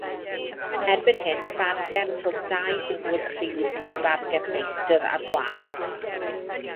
Erbyn hyn bargen rhwng dau ŵr rhydd yw bargen y meistr a'r gwas.